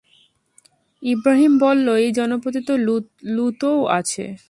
ইবরাহীম বলল, এই জনপদে তো লূতও আছে।